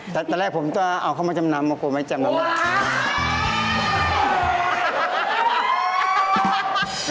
แต่แรกผมจะเอาเข้ามาจำนำมากลัวไม่จำนำเลย